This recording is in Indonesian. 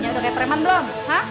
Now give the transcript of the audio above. nyanyi kayak preman belum